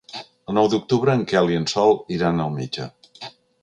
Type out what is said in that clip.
El nou d'octubre en Quel i en Sol iran al metge.